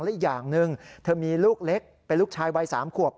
และอีกอย่างหนึ่งเธอมีลูกเล็กเป็นลูกชายวัย๓ขวบ